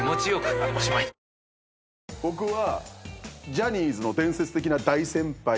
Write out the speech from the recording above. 僕は。